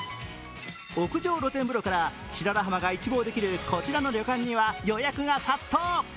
屋上露天風呂から白良浜が一望できるこちらの旅館には予約が殺到。